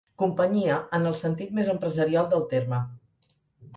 Companyia, en el sentit més empresarial del terme.